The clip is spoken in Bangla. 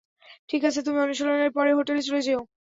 ঠিক আছে, তুমি অনুশীলনের পরে হোটেলে চলে যেও।